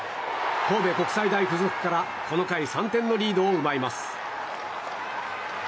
神戸国際大付属から、この回３点のリードを奪います。